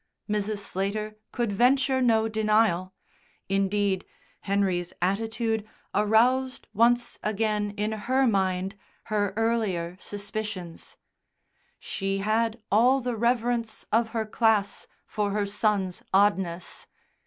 Mrs. Slater could venture no denial; indeed, Henry's attitude aroused once again in her mind her earlier suspicions. She had all the reverence of her class for her son's "oddness."